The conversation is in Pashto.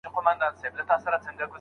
ميرمن هم د خپل خاوند بدن ته کتلای سي.